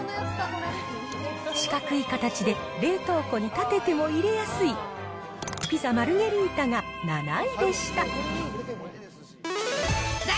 四角い形で、冷凍庫に立てても入れやすいピザマルゲリータが７位でした。